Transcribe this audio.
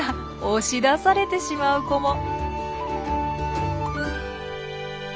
押し出されてしまう子も。